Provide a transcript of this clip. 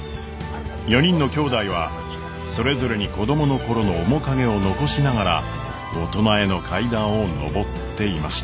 ４人のきょうだいはそれぞれに子供の頃の面影を残しながら大人への階段を上っていました。